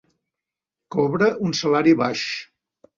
Cobra un salari baix.